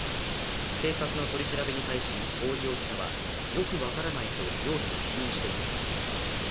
警察の取り調べに対し、大井容疑者はよく分からないと容疑を否認しています。